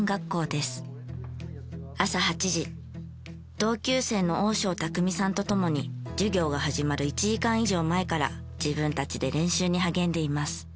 朝８時同級生の鶯生拓己さんと共に授業が始まる１時間以上前から自分たちで練習に励んでいます。